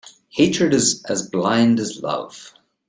Hatred is as blind as love.